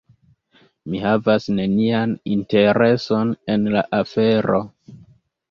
Mi havas nenian intereson en la afero.